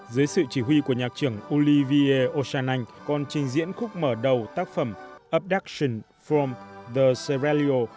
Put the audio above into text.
dưới sự chỉ huy của nhạc trưởng olivier ochanan còn trình diễn khúc mở đầu tác phẩm abduction from the cerelio